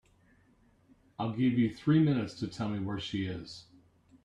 I'll give you three minutes to tell me where she is.